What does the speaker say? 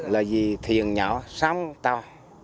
là vì thuyền nhỏ sóng tàu